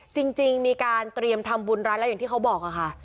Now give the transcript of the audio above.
จริงมีการเตรียมทำบุญรัฐแล้วอย่างที่เขาบอกค่ะ